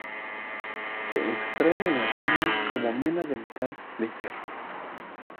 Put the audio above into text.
Se extrae en las minas como mena del metal de hierro.